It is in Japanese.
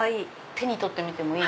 手に取ってもいい？